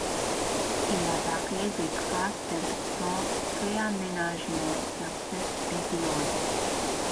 Il apparaît des traces d'importants réaménagements sur cette période.